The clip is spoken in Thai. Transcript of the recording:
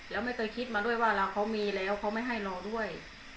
แล้วไม่เคยคิดมาด้วยว่าเขามีแล้วเขาไม่ให้เราด้วย